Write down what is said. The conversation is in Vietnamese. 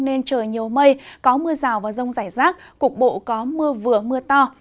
nên trời nhiều mây có mưa rào và rông rải rác cục bộ có mưa vừa mưa to